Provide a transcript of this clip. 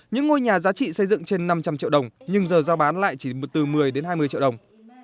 những ngôi nhà giá trị xây dựng trên năm trăm linh triệu đồng nhưng giờ giao bán lại chỉ từ một mươi đến hai mươi triệu đồng